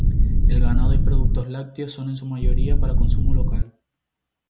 El ganado y productos lácteos son en su mayoría para consumo local.